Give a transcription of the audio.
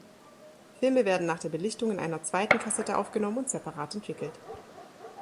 Filme werden nach der Belichtung in einer zweiten Kassette aufgenommen und separat entwickelt.